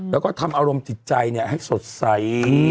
แล้วก็ทำอารมณ์ติดใจเนี่ยให้สดใส